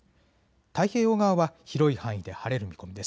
太平洋側は広い範囲で晴れる見込みです。